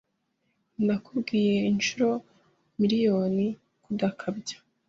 Nakubwiye inshuro miriyoni kudakabya.